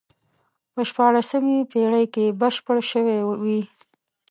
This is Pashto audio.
په شپاړسمې پېړۍ کې بشپړ شوی وي.